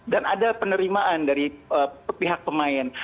dan ada penerimaan dari pihak pemain